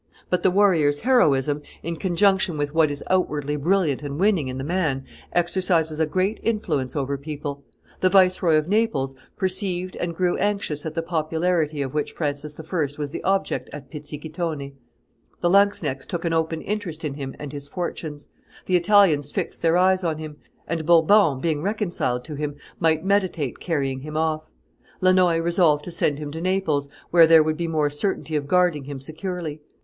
But the warrior's heroism, in conjunction with what is outwardly brilliant and winning in the man, exercises a great influence over people. The Viceroy of Naples perceived and grew anxious at the popularity of which Francis I. was the object at Pizzighittone. The lanzknechts took an open interest in him and his fortunes; the Italians fixed their eyes on him; and Bourbon, being reconciled to him, might meditate carrying him off. Lannoy resolved to send him to Naples, where there would be more certainty of guarding him securely.